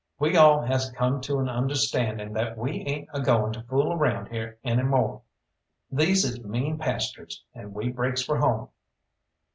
"We all has come to an understanding that we ain't agoin' to fool around here any more. These is mean pastures, and we breaks for home."